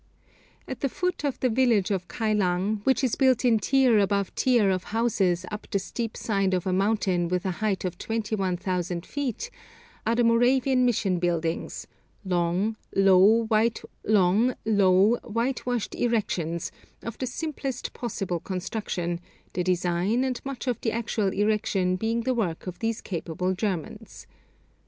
At the foot of the village of Kylang, which is built in tier above tier of houses up the steep side of a mountain with a height of 21,000 feet, are the Moravian mission buildings, long, low, whitewashed erections, of the simplest possible construction, the design and much of the actual erection being the work of these capable Germans.